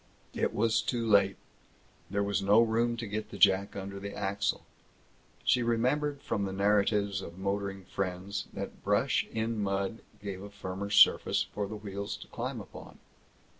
It was too late. There was no room to get the jack under the axle. She remembered from the narratives of motoring friends that brush in mud gave a firmer surface for the wheels to climb upon.